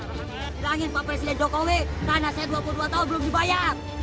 saya bilangin pak presiden jokowi karena saya dua puluh dua tahun belum dibayar